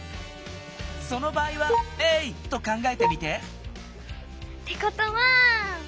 その場合は０と考えてみて！ってことは。